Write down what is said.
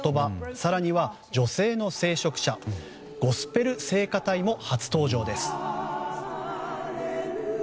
更には女性の聖職者ゴスペル聖歌隊も初登場です。